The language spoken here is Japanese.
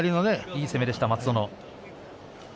いい攻めでした松園。